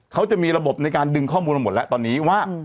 เขาจะมีระบบในการดึงข้อมูลมาหมดแล้วตอนนี้ว่า